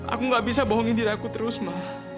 aku gak bisa bohongin diri aku terus mah